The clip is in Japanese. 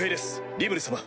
リムル様。